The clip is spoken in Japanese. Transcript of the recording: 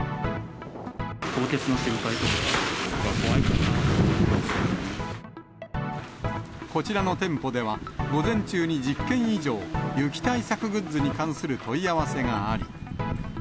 凍結の心配とか、そこが怖いこちらの店舗では、午前中に１０件以上、雪対策グッズに対する問い合わせがあり。